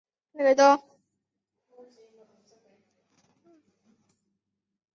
卢永祥则将其所属部队及从福建退入浙江的皖军组成淞沪联军与之对抗。